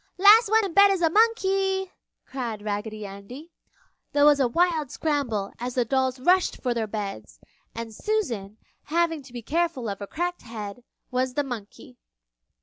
"Last one in bed is a monkey!" cried Raggedy Andy. There was a wild scramble as the dolls rushed for their beds, and Susan, having to be careful of her cracked head, was the monkey.